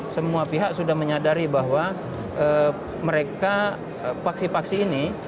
semua pihak sudah menyadari bahwa mereka paksi paksi ini